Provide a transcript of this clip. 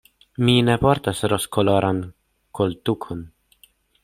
Mi ne portas rozkoloran koltukon.